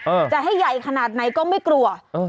จะให้ใหญ่ขนาดไหนก็ไม่กลัวเออ